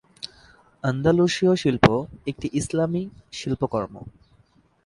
আন্দালুশীয় শিল্প একটি ইসলামি শিল্পকর্ম।